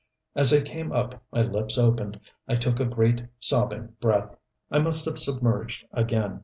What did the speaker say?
As I came up my lips opened, I took a great, sobbing breath. I must have submerged again.